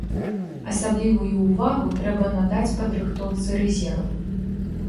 Асаблівую ўвагу трэба надаць падрыхтоўцы рэзерву.